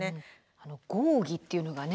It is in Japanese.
合議っていうのがね